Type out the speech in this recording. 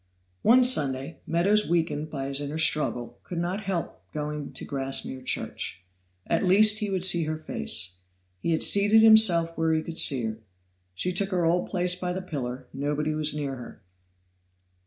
One Sunday, Meadows, weakened by his inner struggle, could not help going to Grassmere church. At least he would see her face. He had seated himself where he could see her. She took her old place by the pillar; nobody was near her.